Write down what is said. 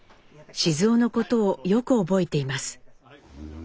雄のことをよく覚えています。